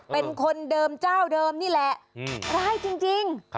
เป็นคนเดิมเจ้าเดิมนี่แหละร้ายจริง